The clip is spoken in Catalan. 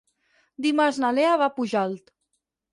Dimarts na Lea va a Pujalt.